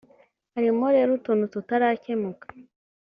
Harimo rero utuntu tutarakemuka